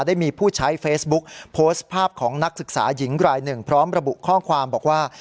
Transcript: ได้มีผู้ใช้เฟซบุ๊กโพสต์ภาพของนักศึกษาหญิงรายหนึ่งพร้อมระบุข้อความบอกว่า